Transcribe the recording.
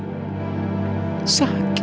bapak bener bener sakit